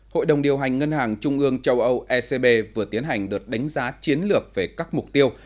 hội đồng điều hành ngân hàng trung ương châu âu ecb vừa tiến hành đợt đánh giá chiến lược về các mục tiêu